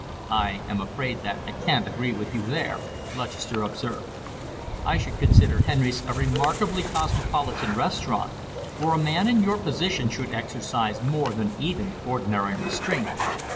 "I am afraid that I can't agree with you there," Lutchester observed. "I should consider Henry's a remarkably cosmopolitan restaurant, where a man in your position should exercise more than even ordinary restraint."